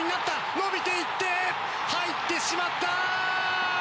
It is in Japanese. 伸びていって、入ってしまった！